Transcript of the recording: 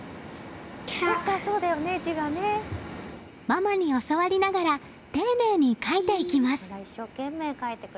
ママに教わりながら丁寧に書いていきます。